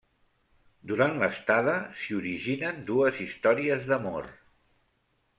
Durant l'estada, s'hi originen dues històries d'amor.